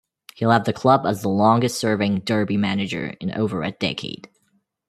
He left the club as the longest serving Derby manager in over a decade.